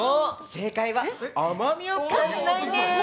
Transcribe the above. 正解は甘みを感じないんです。